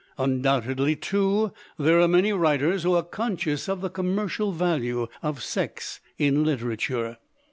Undoubtedly, too, there are many writers who are conscious of the com mercial value of sex in literature.